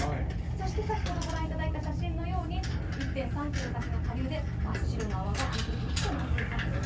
そして先ほど御覧いただいた写真のように１．３ｋｍ先の下流で真っ白な泡がぶくぶくとなっていたんです。